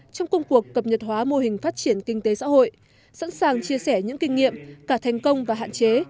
trong công cuộc cập nhật hóa mô hình phát triển kinh tế xã hội sẵn sàng chia sẻ những kinh nghiệm cả thành công và hạn chế